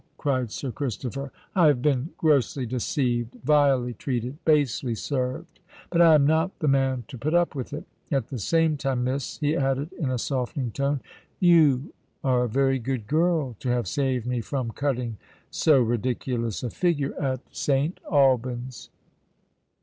cried Sir Christopher. "I have been grossly deceived—vilely treated—basely served! But I am not the man to put up with it. At the same time, Miss," he added, in a softening tone, "you are a very good girl to have saved me from cutting so ridiculous a figure at St. Alban's!"